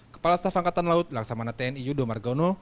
kepala staf angkatan laut laksamana tni yudo margono